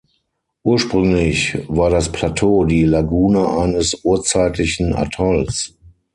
Ursprünglich war das Plateau die Lagune eines urzeitlichen Atolls.